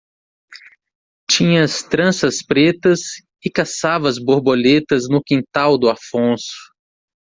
tinhas tranças pretas e caçavas borboletas no quintal do Afonso.